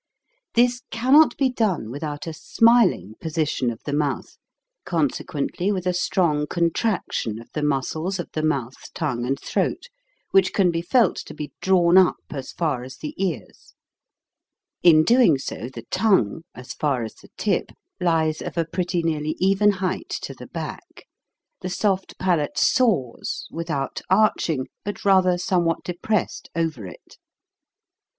This cannot be done without a smiling position of the mouth, consequently with a strong contraction of the muscles of the mouth, tongue, and throat, which can be felt to be drawn up as far as the ears. In doing so the tongue as far as the tip 200 THE POSITION OF THE MOUTH 201 lies of a pretty nearly even height to the back ^~~\ j the soft palate soars without arching, but rather somewhat depressed over it.